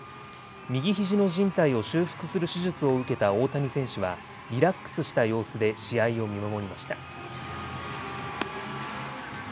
右ひじのじん帯を修復する手術を受けた大谷選手はリラックスした様子で試合を見守りました。